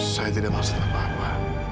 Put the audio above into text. saya tidak maksud apa apa